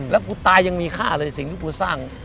แล้วกูตายยังมีค่าเลยสิ่งที่กูสร้าง